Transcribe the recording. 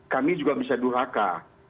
kami juga bisa durhaka